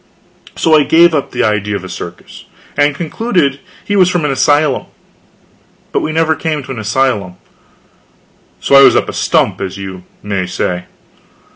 So I gave up the idea of a circus, and concluded he was from an asylum. But we never came to an asylum so I was up a stump, as you may say.